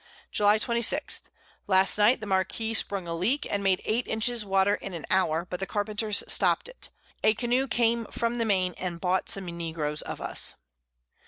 July 26. Last Night the Marquiss sprung a Leak, and made 8 Inches Water in an Hour; but the Carpenters stopt it. A Canoe came from the Main, and bought some Negroes of us.